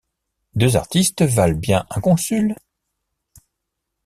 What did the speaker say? Deux artistes valent bien un consul.